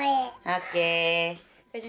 オッケー。